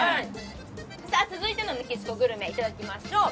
続いてのメキシコグルメいただきましょう。